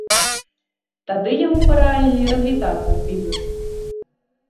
Тады яму параілі развітацца з бізнэсам.